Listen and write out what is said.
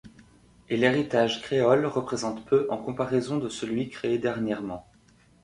Et l'héritage créole représente peu en comparaison de celui créé dernièrement.